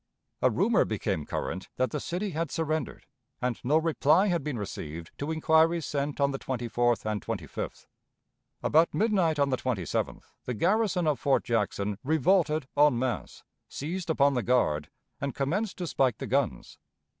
A rumor became current that the city had surrendered, and no reply had been received to inquiries sent on the 24th and 25th. About midnight on the 27th the garrison of Fort Jackson revolted en masse, seized upon the guard, and commenced to spike the guns.